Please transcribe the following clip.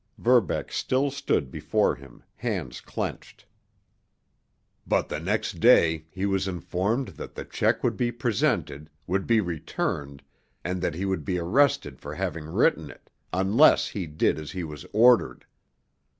Verbeck still stood before him, hands clenched. "But the next day he was informed that the check would be presented, would be returned, and that he would be arrested for having written it—unless he did as he was ordered.